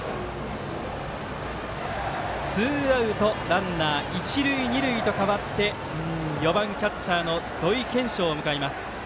ツーアウトランナー、一塁二塁と変わって４番キャッチャーの土井研照を迎えます。